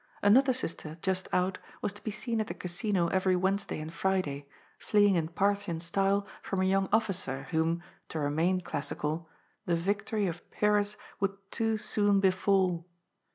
Another sister, just out, was to be seen at the Casino every Wednesday and Friday, fleeing in Parthian style from a young officer whom — ^to remain classi cal — the victory of Pyrrhus would too soon befall.